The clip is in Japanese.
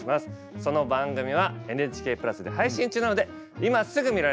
その番組は「ＮＨＫプラス」で配信中なので今すぐ見られるというわけです。